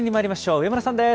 上村さんです。